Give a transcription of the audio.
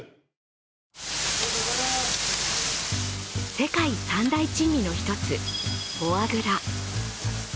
世界三大珍味の１つ、フォアグラ。